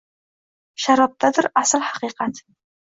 Sharobdadir asl haqiqat…